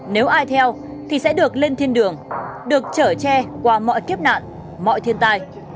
nếu ai theo thì sẽ được lên thiên đường được trở tre qua mọi kiếp nạn mọi thiên tai